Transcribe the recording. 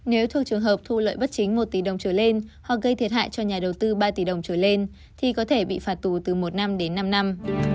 nếu thuộc trường hợp thu lợi bất chính một tỷ đồng trở lên hoặc gây thiệt hại cho nhà đầu tư ba tỷ đồng trở lên thì có thể bị phạt tù từ một năm đến năm năm